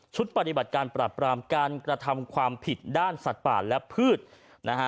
ปฏิบัติการปรับปรามการกระทำความผิดด้านสัตว์ป่าและพืชนะฮะ